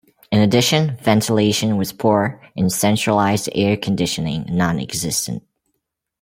In addition, ventilation was poor, and centralized air conditioning nonexistent.